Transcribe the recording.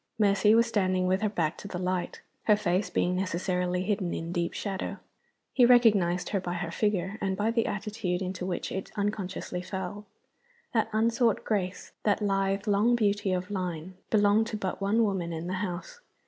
Mercy was standing with her back to the light; her face being necessarily hidden in deep shadow. He recognized her by her figure, and by the attitude into which it unconsciously fell. That unsought grace, that lithe long beauty of line, belonged to but one woman in the house.